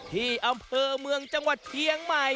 ที่อำเภอเมืองจังหวัดเชียงใหม่